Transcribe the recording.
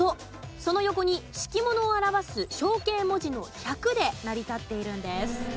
その横に敷物を表す象形文字の「百」で成り立っているんです。